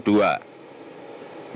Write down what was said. satu dan dua